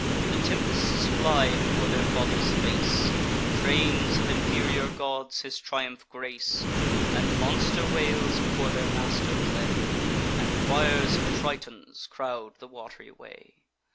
The tempests fly before their father's face, Trains of inferior gods his triumph grace, And monster whales before their master play, And choirs of Tritons crowd the wat'ry way.